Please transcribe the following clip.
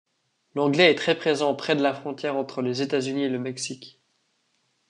L'anglais est très présent près de la frontière entre les États-Unis et le Mexique.